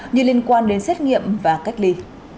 như liên quan đến xét nghiệm và cách ly